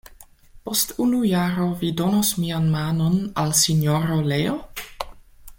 Post unu jaro vi donos mian manon al Sinjoro Leo?